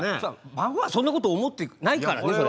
いや孫はそんなこと思ってないからね。